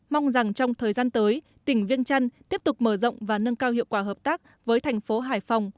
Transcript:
mong rằng trong thời gian tới tỉnh viêng trăn tiếp tục mở rộng và nâng cao hiệu quả hợp tác với thành phố hải phòng